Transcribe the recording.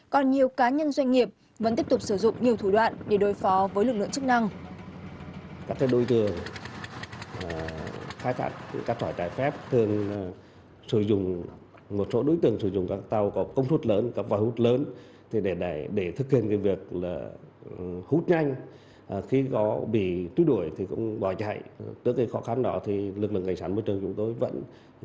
còn nhiều cá nhân doanh nghiệp vẫn tiếp tục sử dụng nhiều thủ đoạn